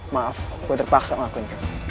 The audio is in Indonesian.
maaf gue terpaksa ngakuin